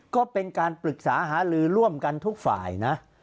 ก็เป็นการปรึกษาหาลือร่วมกันทุกฝ่ายนะ